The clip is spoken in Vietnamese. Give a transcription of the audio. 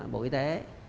bộ y tế